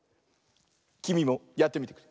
きみもやってみてくれ。